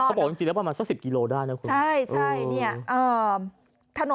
เขาบอกจริงแล้วประมาณสัก๑๐กิโลได้นะคุณ